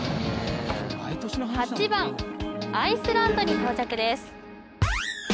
８番アイスランドに到着です